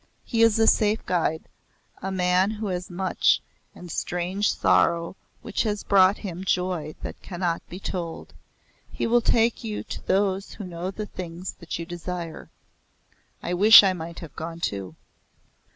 He is a safe guide a man who has had much and strange sorrow which has brought him joy that cannot be told. He will take you to those who know the things that you desire. I wish I might have gone too."